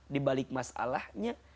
di balik masalahnya